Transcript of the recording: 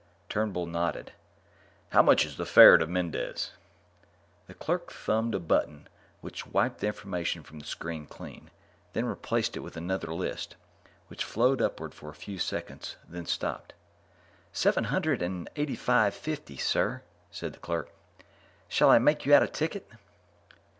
Turnbull nodded. "How much is the fare to Mendez?" The clerk thumbed a button which wiped the information screen clean, then replaced it with another list, which flowed upward for a few seconds, then stopped. "Seven hundred and eighty five fifty, sir," said the clerk. "Shall I make you out a ticket?"